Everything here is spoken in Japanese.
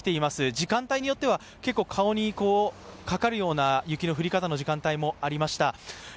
時間帯によっては顔にかかるような雪の降り方の時間帯もありました。